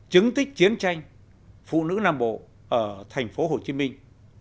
chứng tích chiến tranh phụ nữ nam bộ ở thành phố hồ chí minh